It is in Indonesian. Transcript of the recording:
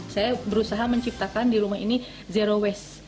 saya berusaha menciptakan di rumah ini zero waste